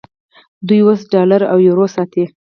دوی اوس ډالر او یورو ساتي.